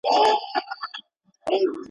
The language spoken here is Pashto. ولي ښوونکي په تدریس کي ټکنالوژي کاروي؟